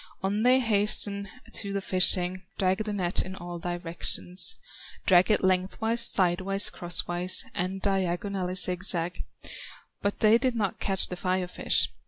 On they hasten to the fishing, Drag the net in all directions, Drag it lengthwise, sidewise, crosswise, And diagonally zigzag; But they did not catch the Fire fish.